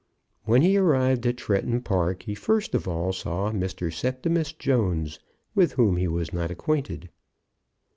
When he arrived at Tretton Park he first of all saw Mr. Septimus Jones, with whom he was not acquainted.